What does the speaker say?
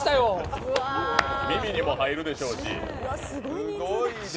耳にも入るでしょうし。